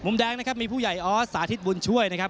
แดงนะครับมีผู้ใหญ่ออสสาธิตบุญช่วยนะครับ